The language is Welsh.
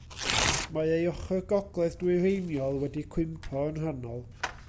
Mae ei ochr gogledd dwyreiniol wedi cwympo yn rhannol.